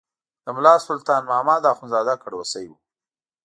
د ملا سلطان محمد اخندزاده کړوسی و.